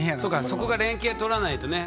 そこが連携とらないとね